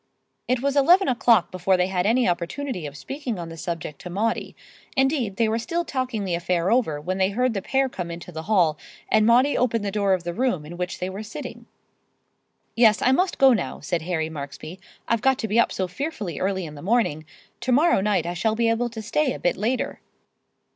It was eleven o'clock before they had any opportunity of speaking on the subject to Maudie; indeed, they were still talking the affair over when they heard the pair come into the hall, and Maudie opened the door of the room in which they were sitting. "Yes, I must go now," said Harry Marksby. "I've got to be up so fearfully early in the morning. To morrow night I shall be able to stay a bit later."